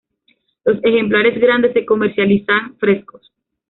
Los ejemplares grandes se comercializan frescos.